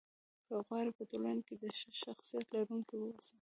که غواړئ! په ټولنه کې د ښه شخصيت لرونکي واوسی